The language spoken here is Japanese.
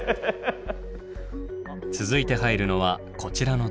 続いて入るのはこちらのドア。